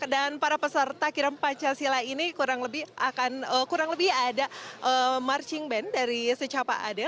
dan para peserta kiram pancasila ini kurang lebih akan kurang lebih ada marching band dari secapa ade